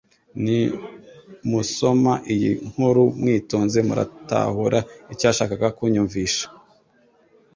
Nimusoma iyi nkuru mwitonze muratahura icyo yashakaga kunyumvisha